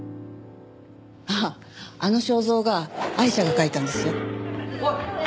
あああの肖像画アイシャが描いたんですよ。